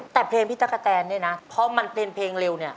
แต่เพลงพริกักกะแตนนี่เพราะมันเป็นเพลงเร็ว